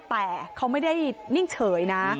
แต่เขาไม่ได้นิ่งเฉยนะ